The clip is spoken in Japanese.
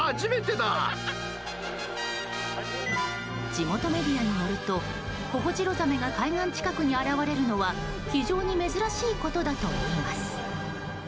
地元メディアによるとホホジロザメが海岸近くに現れるのは非常に珍しいことだといいます。